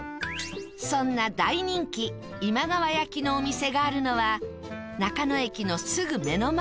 そんな大人気今川焼きのお店があるのは中野駅のすぐ目の前。